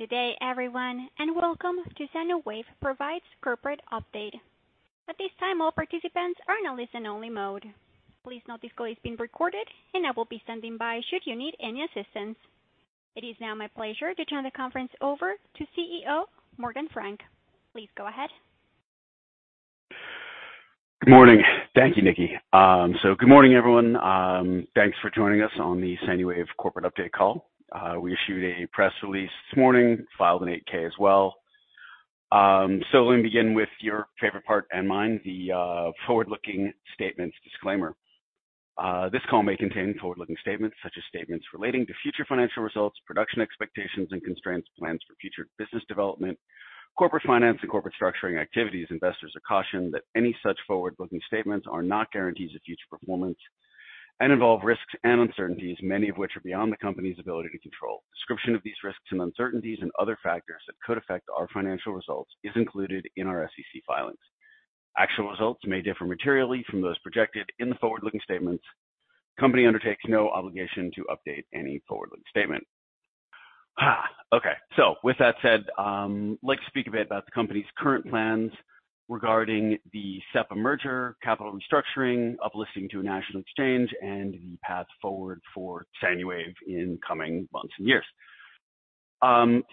Good day everyone, and welcome to SANUWAVE Provides Corporate Update. At this time, all participants are in a listen-only mode. Please note this call is being recorded, and I will be standing by should you need any assistance. It is now my pleasure to turn the conference over to CEO, Morgan Frank. Please go ahead. Good morning. Thank you, Nikki. Good morning, everyone. Thanks for joining us on the SANUWAVE corporate update call. We issued a press release this morning, filed an 8-K as well. Let me begin with your favorite part and mine, the forward-looking statements disclaimer. This call may contain forward-looking statements such as statements relating to future financial results, production expectations and constraints, plans for future business development, corporate finance, and corporate structuring activities. Investors are cautioned that any such forward-looking statements are not guarantees of future performance and involve risks and uncertainties, many of which are beyond the company's ability to control. Description of these risks and uncertainties and other factors that could affect our financial results is included in our SEC filings. Actual results may differ materially from those projected in the forward-looking statements. Company undertakes no obligation to update any forward-looking statement. So with that said, I'd like to speak a bit about the company's current plans regarding the SEPA merger, capital restructuring, uplisting to a national exchange, and the path forward for SANUWAVE in coming months and years.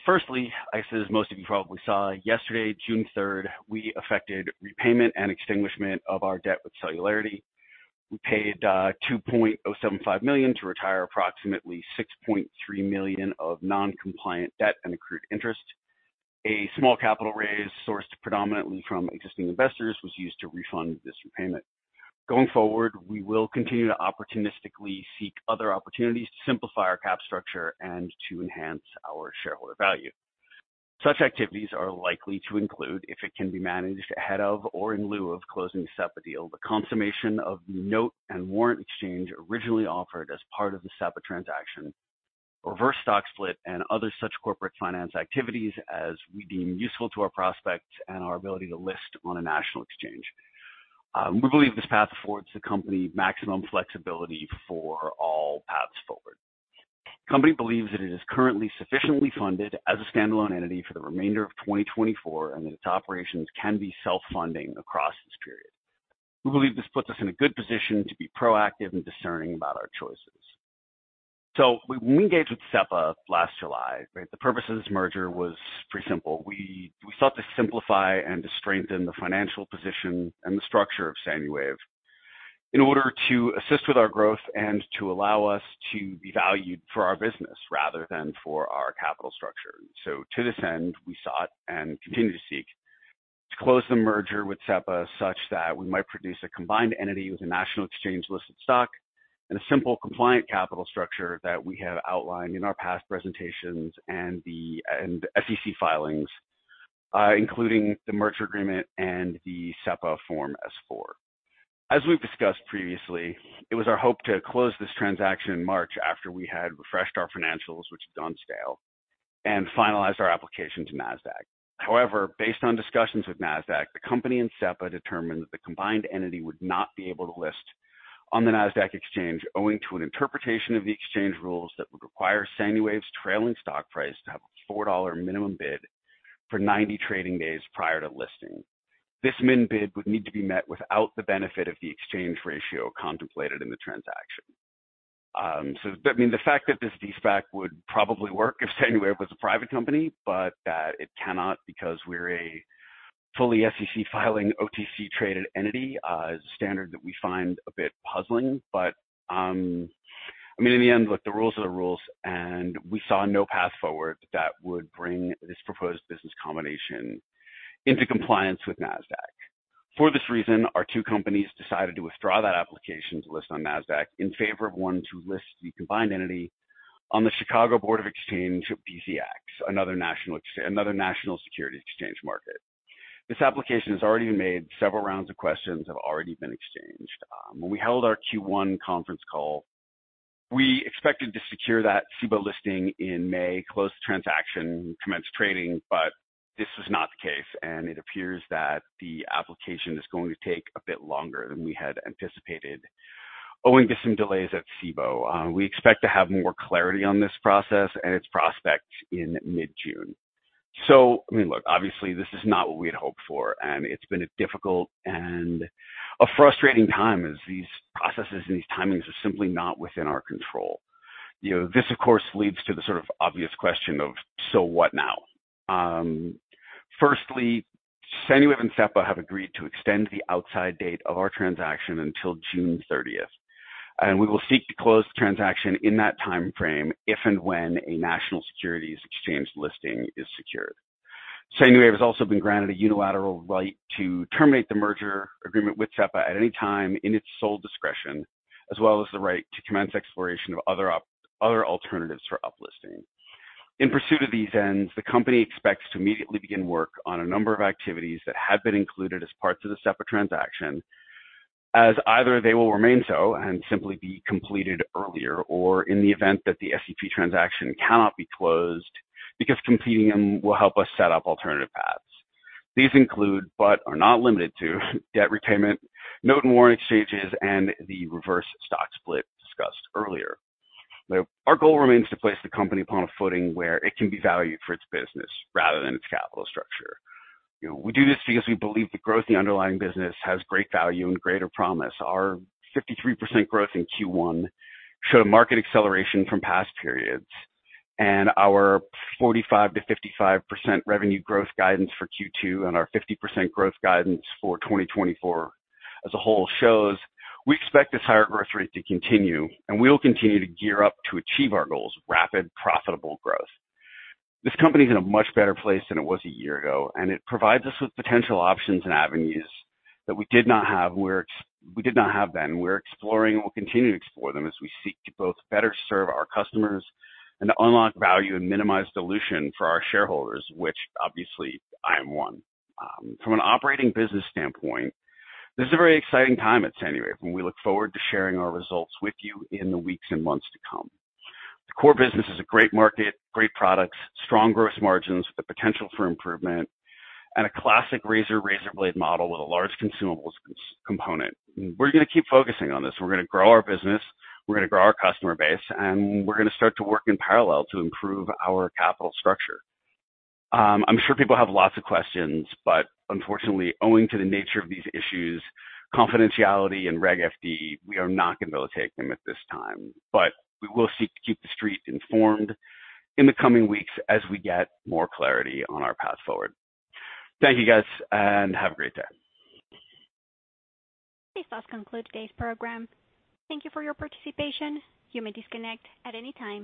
Firstly, I guess as most of you probably saw, yesterday, June third, we affected repayment and extinguishment of our debt with Celularity. We paid $2.075 million to retire approximately $6.3 million of non-compliant debt and accrued interest. A small capital raise, sourced predominantly from existing investors, was used to refund this repayment. Going forward, we will continue to opportunistically seek other opportunities to simplify our cap structure and to enhance our shareholder value. Such activities are likely to include, if it can be managed ahead of or in lieu of closing the SEPA deal, the consummation of the note and warrant exchange originally offered as part of the SEPA transaction, reverse stock split and other such corporate finance activities as we deem useful to our prospects and our ability to list on a national exchange. We believe this path affords the company maximum flexibility for all paths forward. The company believes that it is currently sufficiently funded as a standalone entity for the remainder of 2024, and that its operations can be self-funding across this period. We believe this puts us in a good position to be proactive and discerning about our choices. So when we engaged with SEPA last July, right, the purpose of this merger was pretty simple. We sought to simplify and to strengthen the financial position and the structure of SANUWAVE in order to assist with our growth and to allow us to be valued for our business rather than for our capital structure. So to this end, we sought and continue to seek to close the merger with SEPA such that we might produce a combined entity with a national exchange-listed stock and a simple, compliant capital structure that we have outlined in our past presentations and the and SEC filings, including the merger agreement and the SEPA Form S-4. As we've discussed previously, it was our hope to close this transaction in March after we had refreshed our financials, which had gone stale, and finalized our application to Nasdaq. However, based on discussions with Nasdaq, the company and SEPA determined that the combined entity would not be able to list on the Nasdaq exchange, owing to an interpretation of the exchange rules that would require SANUWAVE's trailing stock price to have a $4 minimum bid for 90 trading days prior to listing. This min bid would need to be met without the benefit of the exchange ratio contemplated in the transaction. So, I mean, the fact that this de-SPAC would probably work if SANUWAVE was a private company, but it cannot because we're a fully SEC filing, OTC-traded entity, is a standard that we find a bit puzzling. But, I mean, in the end, look, the rules are the rules, and we saw no path forward that would bring this proposed business combination into compliance with Nasdaq. For this reason, our two companies decided to withdraw that application to list on Nasdaq in favor of one to list the combined entity on the Chicago Board of Exchange, BZX, another national securities exchange market. This application has already been made. Several rounds of questions have already been exchanged. When we held our Q1 conference call, we expected to secure that Cboe listing in May, close the transaction, commence trading, but this was not the case, and it appears that the application is going to take a bit longer than we had anticipated, owing to some delays at Cboe. We expect to have more clarity on this process and its prospects in mid-June. So I mean, look, obviously this is not what we had hoped for, and it's been a difficult and a frustrating time as these processes and these timings are simply not within our control. You know, this of course, leads to the sort of obvious question of: So what now? Firstly, SANUWAVE and SEPA have agreed to extend the outside date of our transaction until June 30th, and we will seek to close the transaction in that timeframe if and when a national securities exchange listing is secured. SANUWAVE has also been granted a unilateral right to terminate the merger agreement with SEPA at any time in its sole discretion, as well as the right to commence exploration of other alternatives for uplisting. In pursuit of these ends, the company expects to immediately begin work on a number of activities that have been included as parts of the SEPA transaction, as either they will remain so and simply be completed earlier or in the event that the SEPA transaction cannot be closed, because completing them will help us set up alternative paths. These include, but are not limited to, debt repayment, note and warrant exchanges, and the reverse stock split discussed earlier. Now, our goal remains to place the company upon a footing where it can be valued for its business rather than its capital structure. You know, we do this because we believe the growth in the underlying business has great value and greater promise. Our 53% growth in Q1 showed a market acceleration from past periods, and our 45%-55% revenue growth guidance for Q2 and our 50% growth guidance for 2024 as a whole shows we expect this higher growth rate to continue, and we will continue to gear up to achieve our goals of rapid, profitable growth. This company's in a much better place than it was a year ago, and it provides us with potential options and avenues that we did not have, we did not have then. We're exploring and we'll continue to explore them as we seek to both better serve our customers and to unlock value and minimize dilution for our shareholders, which obviously I am one. From an operating business standpoint, this is a very exciting time at SANUWAVE, and we look forward to sharing our results with you in the weeks and months to come. The core business is a great market, great products, strong growth margins with the potential for improvement, and a classic razor-razor blade model with a large consumables component. We're gonna keep focusing on this. We're gonna grow our business, we're gonna grow our customer base, and we're gonna start to work in parallel to improve our capital structure. I'm sure people have lots of questions, but unfortunately, owing to the nature of these issues, confidentiality and Reg FD, we are not going to be able to take them at this time, but we will seek to keep the Street informed in the coming weeks as we get more clarity on our path forward. Thank you guys, and have a great day. This does conclude today's program. Thank you for your participation. You may disconnect at any time.